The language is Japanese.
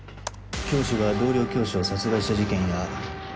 教師が同僚教師を殺害した事件や。